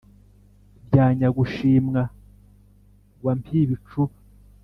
Rya Nyagushimwa wa Mpibicuba,